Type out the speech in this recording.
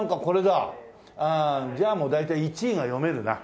あーじゃあもう大体１位が読めるな。